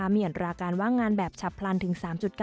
มีอัตราการว่างงานแบบฉับพลันถึง๓๙